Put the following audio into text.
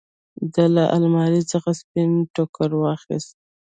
ده له المارۍ څخه سپين ټوکر واخېست.